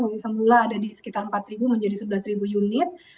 mungkin semula ada di sekitar empat menjadi sebelas unit